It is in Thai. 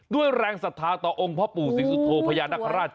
ด้วยแรงศรัทธาต่อองค์พระปู่สิงสุโธพญานาคาราช